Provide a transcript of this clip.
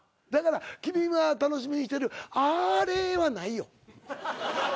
だから君が楽しみにしてる「あれ！」はないよ。